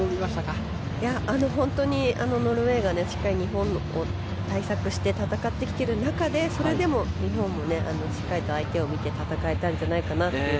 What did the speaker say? ノルウェーがしっかり日本を対策して戦ってきてる中でそれでも日本もしっかりと相手を見て戦えたんじゃないかなと。